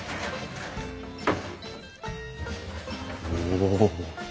お。